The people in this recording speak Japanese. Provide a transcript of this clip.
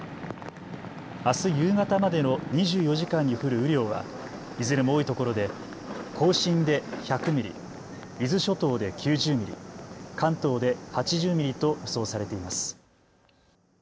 あす夕方までの２４時間に降る雨量はいずれも多いところで甲信で１００ミリ、伊豆諸島で９０ミリ、関東で８０ミリと予想されています。